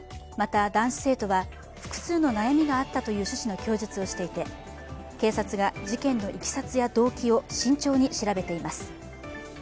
また男子生徒は複数の悩みがあったという趣旨の供述をしていて警察が事件のいきさつや動機を慎重に調べています。